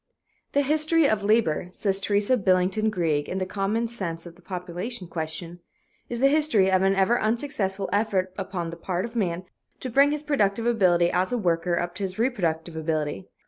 "The history of labor," says Teresa Billington Greig in the Common Sense of The Population Question, "is the history of an ever unsuccessful effort upon the part of man to bring his productive ability as a worker up to his reproductive ability.